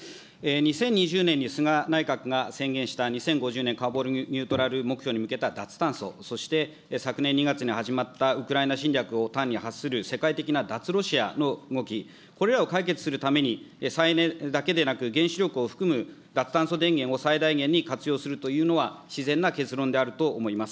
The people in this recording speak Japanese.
２０２０年に菅内閣が宣言したカーボンニュートラルそして昨年２月に始まったウクライナ侵略を端に発する世界的な脱ロシアの動き、これらを解決するために、再エネだけでなく、原子力を含む、脱炭素電源を最大限に活用するというのは自然な結論であると思います。